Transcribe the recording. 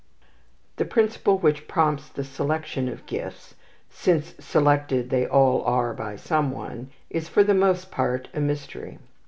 The principle which prompts the selection of gifts since selected they all are by some one is for the most part a mystery.